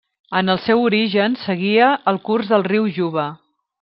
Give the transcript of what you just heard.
En el seu origen seguia el curs del riu Juba.